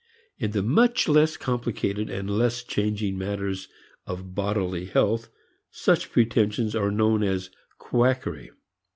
In the much less complicated and less changing matters of bodily health such pretensions are known as quackery.